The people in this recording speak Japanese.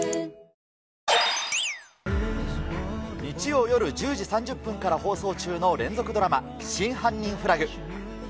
日曜夜１０時３０分から放送中の連続ドラマ、真犯人フラグ。